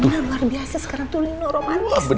luar biasa sekarang tuh nino romantis banget